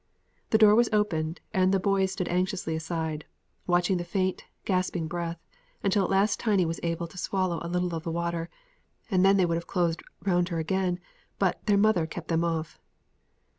The door was opened, and the boys stood anxiously aside, watching the faint, gasping breath, until at last Tiny was able to swallow a little of the water; and then they would have closed round her again, but their mother kept them off.